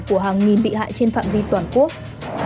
của hàng nghìn bị hại trên phạm vi toàn quốc